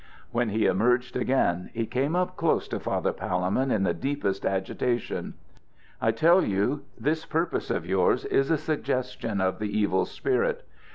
When he emerged again, he came up close to Father Palemon in the deepest agitation. "I tell you this purpose of yours is a suggestion of the Evil Spirit.